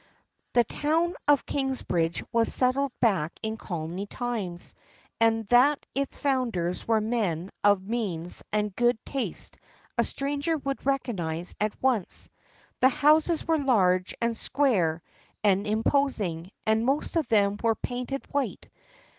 The town of Kingsbridge was settled away back in colony times, and that its founders were men of means and good taste a stranger would recognize at once. The houses were large and square and imposing, and most of them were painted white.